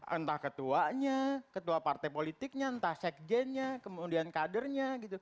entah ketuanya ketua partai politiknya entah sekjennya kemudian kadernya gitu